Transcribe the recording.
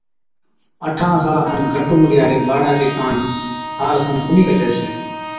اٺارھان سالان کن گھٽ عمرِي ھاڙي ٻاڙان چي ڪاڻ ھا رسم ڪونھِي ڪجَي ڇَي